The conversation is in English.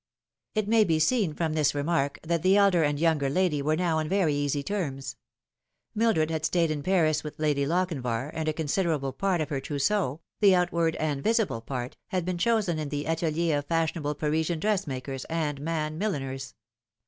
It may be seen from this remark that the elder and younger lady were BOW on very easy terms. Mildred had stayed in Paris with Lady Lochinvar, and a considerable part of her trousseau, the outward and visible part, had been chosen in the ateliers of fashionable Parisian dressmakers and man milliners.